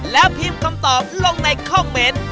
แล้วพิมพ์คำตอบลงในคอมเมนต์